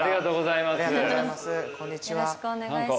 よろしくお願いします。